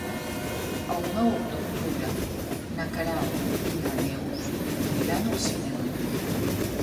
El nou d'octubre na Queralt i na Neus aniran al cinema.